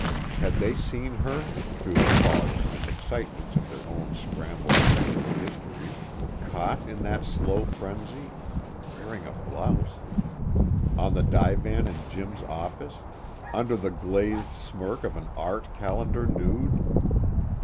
They had seen her (through the fogs and excitements of their own scrambled sexual histories) caught in that slow frenzy (wearing a blouse) on the divan in Jim's office, under the glazed smirk of an "art" calendar nude.